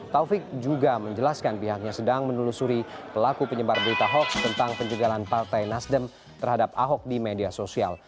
taufik juga menjelaskan pihaknya sedang menelusuri pelaku penyebar berita hoax tentang penjagalan partai nasdem terhadap ahok di media sosial